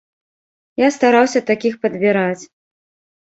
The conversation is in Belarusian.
Я стараўся такіх падбіраць.